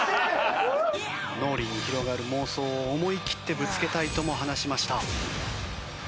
脳裏に広がる妄想を思い切ってぶつけたいとも話しました。